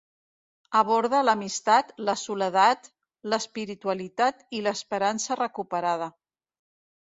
Aborda l'amistat, la soledat, l'espiritualitat i l'esperança recuperada.